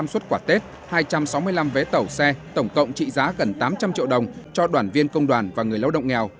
sáu trăm hai mươi năm suất quả tết hai trăm sáu mươi năm vé tẩu xe tổng cộng trị giá gần tám trăm linh triệu đồng cho đoàn viên công đoàn và người lao động nghèo